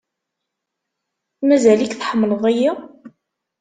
Mazal-ik tḥemmleḍ-iyi?